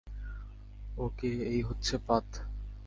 ওকে, এই হচ্ছে পাত।